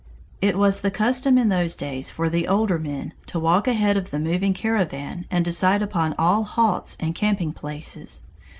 It was the custom in those days for the older men to walk ahead of the moving caravan and decide upon all halts and camping places.